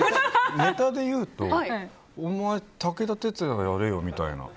ネタで言うとお前、武田鉄矢やれよみたいな。